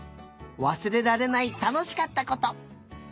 わすれられないたのしかったこと。